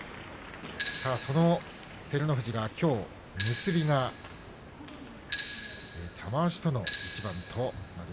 その照ノ富士、きょうは結び玉鷲との一番。